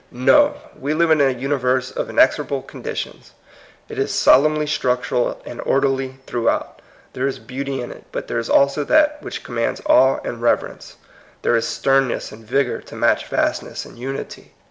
No I we live in a universe of inexorable conditions. It is solemnly structural and orderly throughout. There is beauty in it, but there is also that which commands awe and reverence. Thei'e is sternness and vigor to match vastness and unity.